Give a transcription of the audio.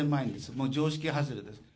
もう常識外れです。